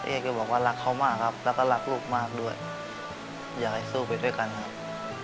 ก็บอกว่ารักเขามากครับแล้วก็รักลูกมากด้วยอยากให้สู้ไปด้วยกันครับ